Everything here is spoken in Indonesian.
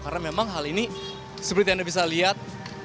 karena memang hal ini seperti yang anda bisa lihat